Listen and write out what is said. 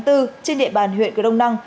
trên địa bàn huyện cửa đông năng